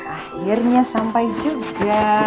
akhirnya sampai juga